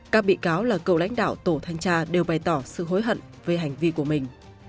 các bị cáo là cầu lãnh đạo tổ thanh tra đều bày tỏ sự hối hận về hành vi của mình